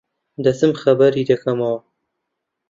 دەچم خەبەری دەکەمەوە.